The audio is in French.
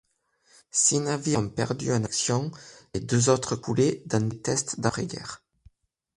Six navires ont perdu en action et deux autres coulés dans des tests d'après-guerre.